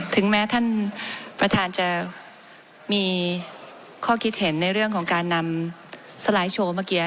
ถึงแม้ท่านประธานจะมีข้อคิดเห็นในเรื่องของการนำสไลด์โชว์เมื่อกี้